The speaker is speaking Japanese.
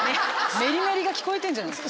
メリメリが聞こえてるんじゃないですか？